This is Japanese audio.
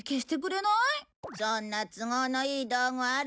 そんな都合のいい道具あるわけ。